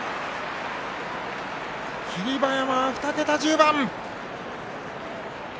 霧馬山は２桁１０番。